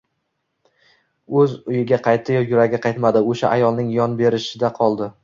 O‘zi uyga qaytdi-yu, yuragi qaytmadi o‘sha ayolning yon-berisida qoldi